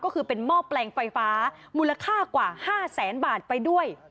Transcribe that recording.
ก็คือเป็นหม้อแปลงไฟฟ้ามูลค่ากว่า๕แสนบาทไปด้วย